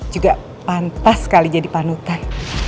juga pantas sekali jadi panutan